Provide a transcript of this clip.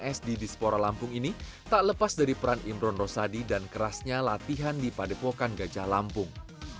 pernahkah di sepora lampung ini tak lepas dari peran imron rosadi dan kerasnya latihan di padepokan gejah lampung